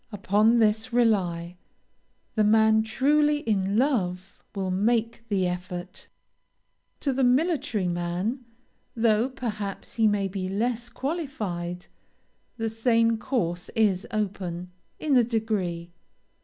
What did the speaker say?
Upon this rely, the man truly in love will make the effort. To the military man, though perhaps he may be less qualified, the same course is open, in a degree.